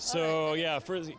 saya datang dari arizona